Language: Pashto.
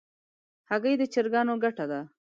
هګۍ د چرګانو ګټه ده.